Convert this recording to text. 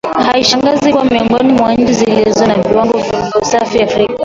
Haishangazi kuwa miongoni mwa nchi zilizo na viwango vizuri vya usafi Afrika